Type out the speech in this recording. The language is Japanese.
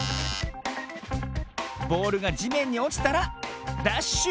ボールがじめんにおちたらダッシュ！